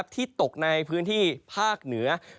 ที่ตกในพื้นที่ภาคเหนือ